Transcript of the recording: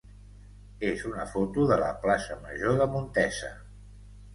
és una foto de la plaça major de Montesa.